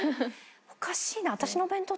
おかしいな。